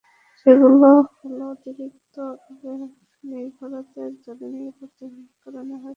সেগুলো হলো-অতিরিক্ত আবেগনির্ভরতাএকধরনের নিরাপত্তাহীনতার কারণেই হয়তো সন্তানের প্রতি অতিরিক্ত আবেগনির্ভরতা তৈরি হয়।